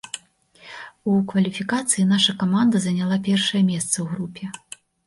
У кваліфікацыі наша каманда заняла першае месца ў групе.